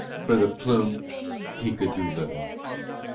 For the plume he could do little.